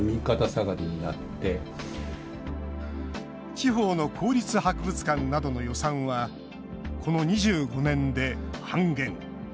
地方の公立博物館などの予算はこの２５年で半減。